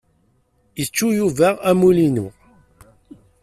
Ittu Yuba amulli-inu.